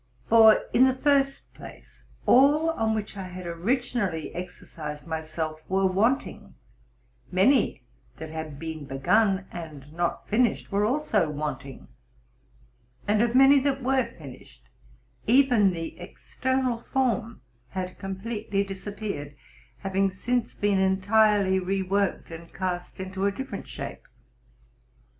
For, in the first place, all on which I had originally exercised myself were wanting, many that had been begun and not finished were also wanting, and of many that were finished even the external form had completely disappeared, having since been entirely reworked and cast into a different shape.